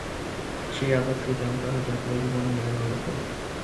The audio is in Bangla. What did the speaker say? সেই আদর্শই যেন তাহার জাতীয় জীবনের মেরুদণ্ডস্বরূপ।